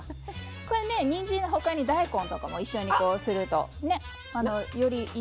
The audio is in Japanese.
これねにんじんのほかに大根とかも一緒にこうするとよりいいですよね。